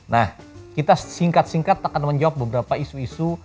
nah kita singkat singkat akan menjawab beberapa isu isu